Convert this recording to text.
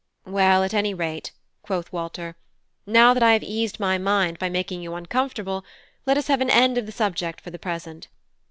"Well, at any rate," quoth Walter, "now that I have eased my mind by making you uncomfortable, let us have an end of the subject for the present.